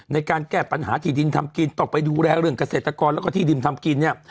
ในการแก้ปัญหาที่ดินทำกินต้องไปดูแลเรื่องเกษตรกรแล้วก็ที่ดินทำกินเนี่ย